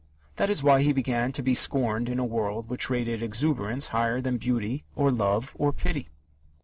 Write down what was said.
That is why he began to be scorned in a world which rated exuberance higher than beauty or love or pity.